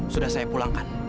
sudah saya pulangkan